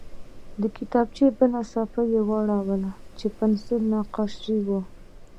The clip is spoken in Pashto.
د کتابچې بله صفحه یې واړوله چې پنسلي نقاشي وه